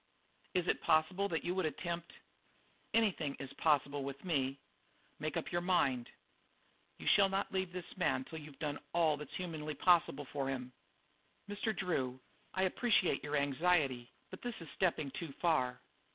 "Is it possible that you would attempt " "Anything is possible with me. Make up your mind. You shall not leave this man till you've done all that's humanly possible for him." "Mr. Drew, I appreciate your anxiety, but this is stepping too far.